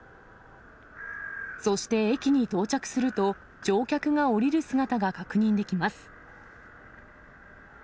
そして駅に到着すると、乗客が降りる姿が確認できます。